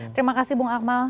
terima kasih bung akmal